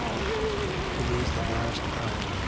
It is the last hour.